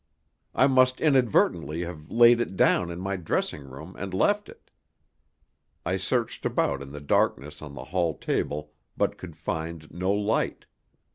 I must inadvertently have laid it down in my dressing room and left it. I searched about in the darkness on the hall table, but could find no light.